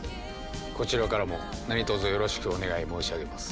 こちらからも何卒よろしくお願い申し上げます。